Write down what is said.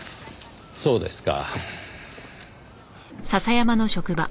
そうですか。